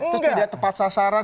terus tidak tepat sasaran